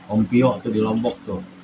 om pio itu di lombok tuh